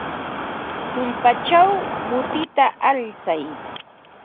Tullpachaw mutita alsay.